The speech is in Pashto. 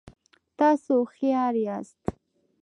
تاسو هوښیار یاست